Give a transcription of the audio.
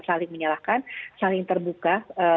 saling menyalahkan saling terbuka